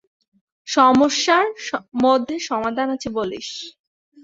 সমস্যার মধ্যে সমাধান আছে বলিস!